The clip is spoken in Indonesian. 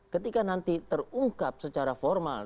ketika nanti terungkap secara formal